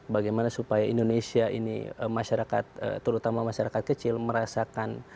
bagaimana supaya indonesia ini masyarakat terutama masyarakat kecil merasakan